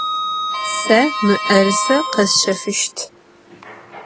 Se mı'erıse khesşefışt.